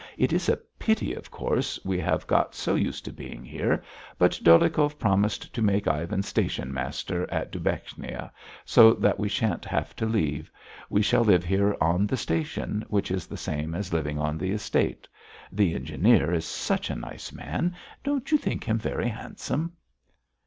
It is a pity, of course, we have got so used to being here, but Dolyhikov promised to make Ivan station master at Dubechnia, so that we shan't have to leave. We shall live here on the station, which is the same as living on the estate. The engineer is such a nice man! Don't you think him very handsome?"